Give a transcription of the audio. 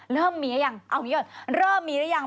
เริ่มมีหรือยังเอ้าเริ่มมีหรือยัง